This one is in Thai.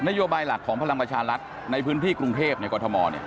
โยบายหลักของพลังประชารัฐในพื้นที่กรุงเทพในกรทม